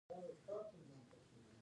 ایا زه باید د ویټامین بي ټسټ وکړم؟